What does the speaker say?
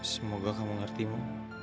semoga kamu ngertimu